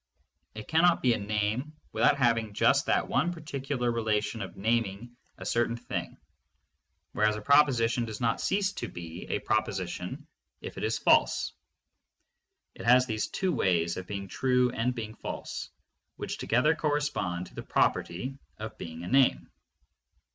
It cannot be a name without having just that one particular relation of naming a certain thing, whereas a proposition does not cease to be a proposition if it is false. It has these two ways, of being true and being false, which together corre spond to the property of being a name.